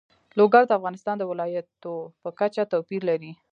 لوگر د افغانستان د ولایاتو په کچه توپیر لري.